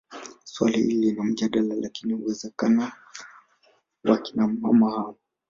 Suala hilo lina mjadala lakini uwezekano wa akina mama hao